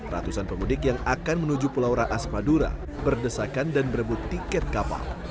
ratusan pemudik yang akan menuju pulau raas madura berdesakan dan berebut tiket kapal